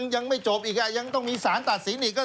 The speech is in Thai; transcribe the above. ยังไม่จบอีกยังต้องมีสารตัดสินอีก